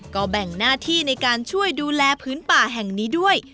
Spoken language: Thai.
ก็แบ่งหน้าที่ในการช่วยดูแลพื้นป่าแห่งนี้ด้วย